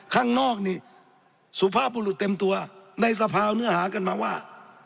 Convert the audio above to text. ข้างนอกนี่สุภาพบุรุษเต็มตัวในสภาวเนื้อหากันมาว่า